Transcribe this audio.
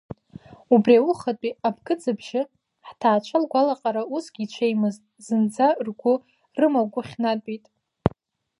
Убри аухатәи абгыӡ абжьы, ҳҭаацәа ргәалаҟара усгьы иҽеимызт, зынӡа ргәы рымагәыхьнатәит.